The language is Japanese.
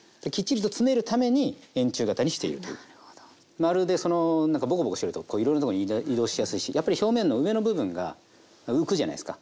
丸でそのぼこぼこしてるとこういろんなとこに移動しやすいしやっぱり表面の上の部分が浮くじゃないですか。